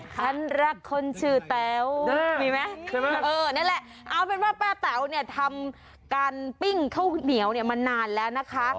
ฉันรักคนชื่อแต๋วเอาเป็นว่าป้าแต๋วเนี่ยทำการปิ้งข้าวเหนียวเนี่ยมานานแล้วนะคะ